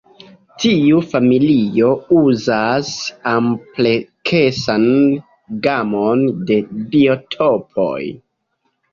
Tiu familio uzas ampleksan gamon de biotopoj.